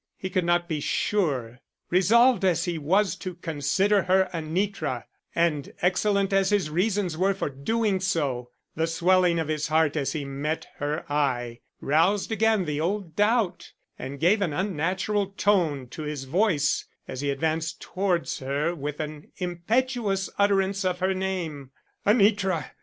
He could not be sure. Resolved as he was to consider her Anitra, and excellent as his reasons were for doing so, the swelling of his heart as he met her eye roused again the old doubt and gave an unnatural tone to his voice as he advanced towards her with an impetuous utterance of her name: "Anitra!"